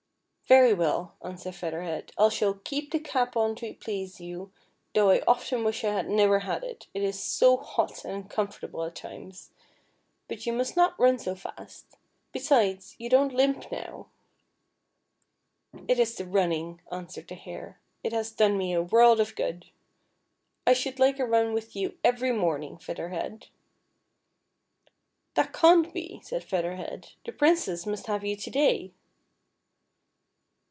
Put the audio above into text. "'' Very well," answered Feather Head, "I shall keep the cap on to please you, though I often wish I had never had it, it is so hot and uncomfortable at times ; but } ou must not run so fast, besides, you don't limp now." " It is the running," answered the Hare ;" it has done me a world of good. I should like a run with you every morning, Feather Head." "That can't be," said Feather Head; "the Princess nmst have you to day."